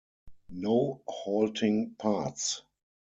No halting parts.